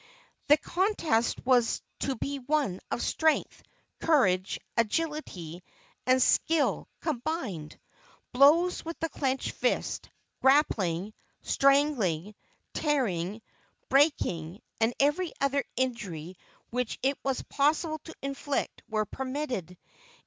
The contest was to be one of strength, courage, agility and skill combined. Blows with the clenched fist, grappling, strangling, tearing, breaking and every other injury which it was possible to inflict were permitted.